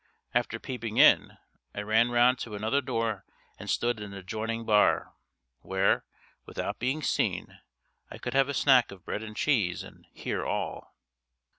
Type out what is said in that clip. After peeping in, I ran round to another door, and stood in an adjoining bar, where, without being seen, I could have a snack of bread and cheese, and hear all.